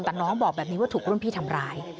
แต่น้องบอกแบบนี้ว่าถูกรุ่นพี่ทำร้าย